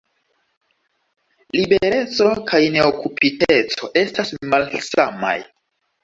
Libereco kaj neokupiteco estas malsamaj.